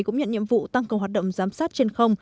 cũng nhận nhiệm vụ tăng cường hoạt động giám sát trên không